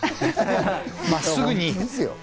真っすぐに。